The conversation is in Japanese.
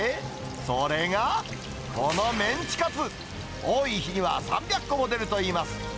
それが、このメンチカツ、多い日には３００個も出るといいます。